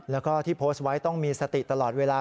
แล้วก็ที่โพสต์ไว้ต้องมีสติตลอดเวลา